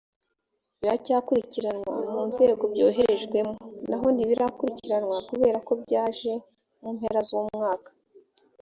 biracyakurikiranwa mu nzego byoherejwemo naho ntibirakurikiranwa kubera ko byaje mu mpera z umwaka